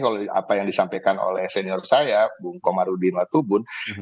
kalau apa yang disampaikan oleh senior saya bung komarudin watubun